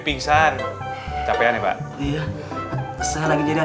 mungkin tinggi aja dahan